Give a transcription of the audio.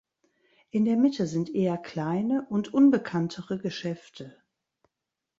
In der Mitte sind eher kleine und unbekanntere Geschäfte.